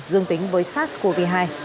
dương tính với sars cov hai